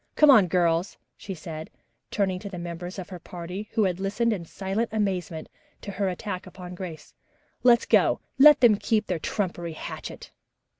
Come on, girls," she said, turning to the members of her party, who had listened in silent amazement to her attack upon Grace. "Let us go. Let them keep their trumpery hatchet."